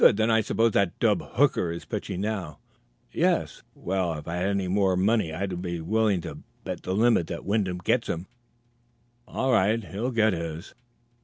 Then I suppose that dub Hooker is pitching now?" "Yes." "Well, if I had any more money I'd be willing to bet the limit that Wyndham gets to him, all right. He'll get his."